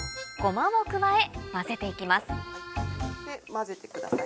混ぜてください